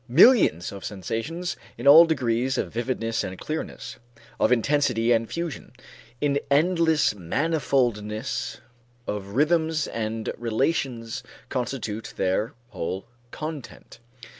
Millions of sensations in all degrees of vividness and clearness, of intensity and fusion, in endless manifoldness of rhythms and relations constitute their whole content.